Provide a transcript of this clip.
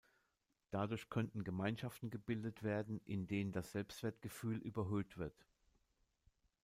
Dadurch könnten Gemeinschaften gebildet werden in denen das Selbstwertgefühl überhöht wird.